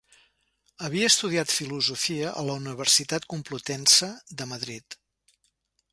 Havia estudiat filosofia a la Universitat Complutense de Madrid.